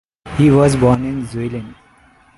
He was born in Zuilen.